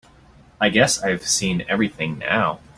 I guess I've seen everything now.